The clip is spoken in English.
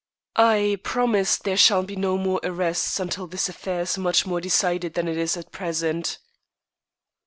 "I promise there shall be no more arrests until this affair is much more decided than it is at present."